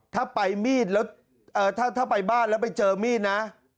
ถ้าไปบ้านแล้วไปเจอมีดนะ